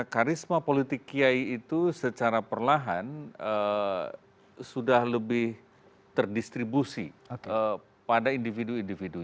karena karisma politik kiai itu secara perlahan sudah lebih terdistribusi pada individu individunya